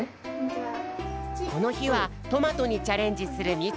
このひはトマトにチャレンジするみつきちゃん。